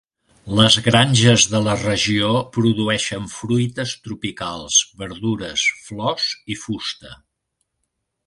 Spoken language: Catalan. Les granges de la regió produeixen fruites tropicals, verdures, flors i fusta.